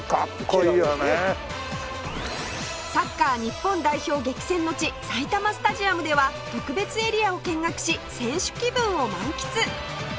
サッカー日本代表激戦の地埼玉スタジアムでは特別エリアを見学し選手気分を満喫！